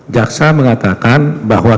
jaksa mengatakan bahwa